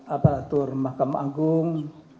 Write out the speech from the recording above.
apalatur mahkamah agung